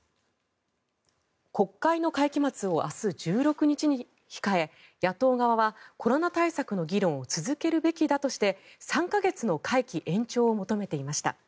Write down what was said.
国会の会期末を明日１６日に控え野党側はコロナ対策の議論を続けるべきだとして３か月の会期延長を求めていました。